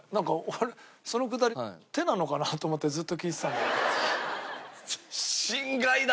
俺そのくだり手なのかなと思ってずっと聞いてたんだ。